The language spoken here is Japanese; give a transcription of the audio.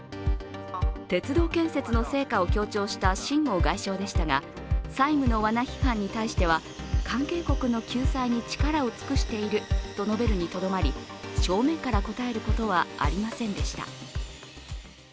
鉄道建設の成果を強調した秦剛外相でしたが債務のわな批判に対しては関係国の救済に力を尽くしていると述べるにとどまり正面から答えることはありませんでした。